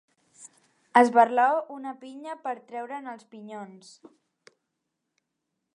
Esberlar una pinya per treure'n els pinyons.